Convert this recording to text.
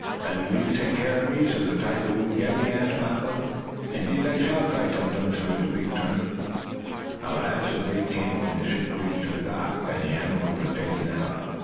"And will you take care of me, so the tiger won't get me?" asked Mappo. "Indeed I shall!" cried Tum Tum through his big trunk. At last the day came when the ship reached her dock, and the animals were taken out.